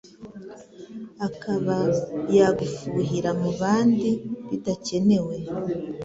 akaba yagufuhira mubandi bidakenewe.